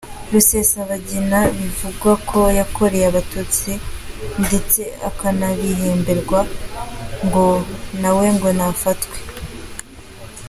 Rusesabagina, bivugwa ko yarokoye abatutsi ndetse akanabihemberwa ngo nawe ngo ni afatwe.